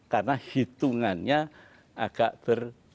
karena hitungannya agak berbeda